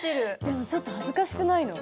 でもちょっと恥ずかしくないの？